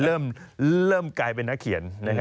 เริ่มกลายเป็นนักเขียน